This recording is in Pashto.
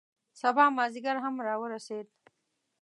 سبا مازدیګر هم را ورسید.